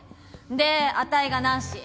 であたいがナンシー。